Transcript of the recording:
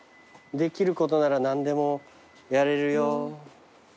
出来ることなら何でもやれるよっ」